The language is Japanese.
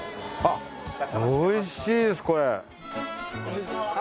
あっおいしいですこれ。